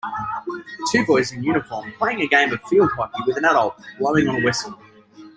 Two boys in uniform playing a game of field hockey with an adult blowing on a whistle.